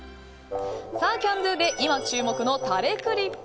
キャンドゥで今注目のタレクリップ。